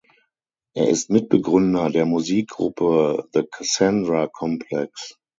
Er ist Mitbegründer der Musikgruppe The Cassandra Complex.